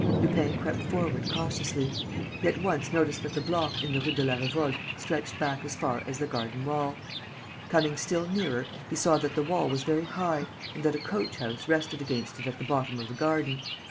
Lupin crept forward cautiously. He at once noticed that the block in the Route de la Revolte stretched back as far as the garden wall. Coming still nearer, he saw that the wall was very high and that a coach house rested against it at the bottom of the garden.